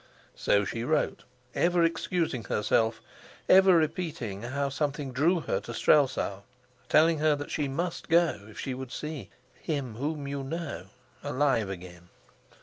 So she wrote, ever excusing herself, ever repeating how something drew her to Strelsau, telling her that she must go if she would see "him whom you know," alive again.